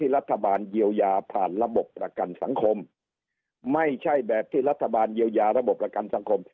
ระบบประกันสังคมไม่ใช่แบบที่รัฐบาลเยียวยาระบบประกันสังคม